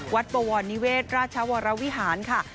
ปวรนิเวศราชวรวิหารค่ะ